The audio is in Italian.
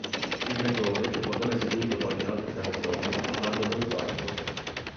De Gregori, dopo avere eseguito qualche altra canzone, abbandonò il palco.